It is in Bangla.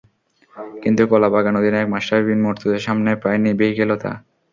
কিন্তু কলাবাগান অধিনায়ক মাশরাফি বিন মুর্তজার সামনে প্রায় নিভেই গেল তা।